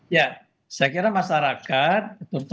ya saya kira masyarakat terutama komunitas yang ada di desa desa